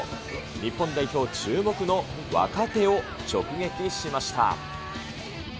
日本代表注目の若手を直撃しました。